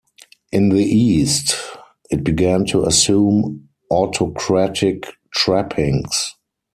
In the East, it began to assume autocratic trappings.